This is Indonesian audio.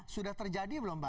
sudah terjadi belum pak